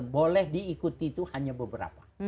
boleh diikuti itu hanya beberapa